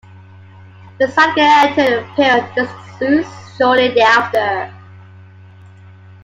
The site again entered a period of disuse shortly thereafter.